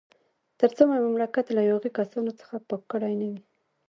تر څو مې مملکت له یاغي کسانو څخه پاک کړی نه وي.